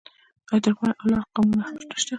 آیا ترکمن او لر قومونه هم نشته؟